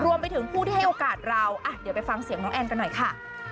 รวมไปถึงผู้ที่ให้โอกาสเราเดี๋ยวไปฟังเสียงน้องแอนกันหน่อยค่ะ